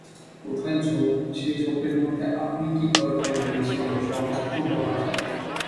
কোথায় ঝোপ, সেই ঝোপের মধ্যে আপনি কী দরকারে গিয়েছিলেন, সমস্ত বলা চাই।